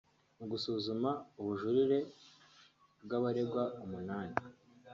Mu gusuzuma ubujurire bw’abaregwa umunani